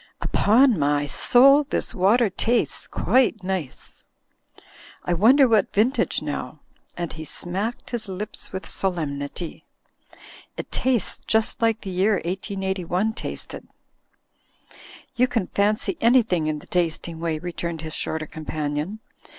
Upon my soul, this water tastes quite nice. I wonder what vintage now?" and he smacked his lips with solemnity. "It tastes just like the year 1881 tasted." "You can fancy anything in the tasting way," re turned his shorter companion.